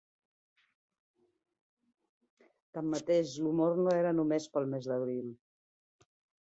Tanmateix, l'humor no era només pel mes d'Abril.